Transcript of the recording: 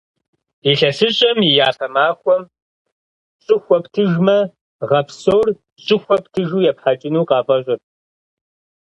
ИлъэсыщӀэм и япэ махуэм щӀыхуэ птыжмэ, гъэ псор щӀыхуэ птыжу епхьэкӀыну къафӀэщӏырт.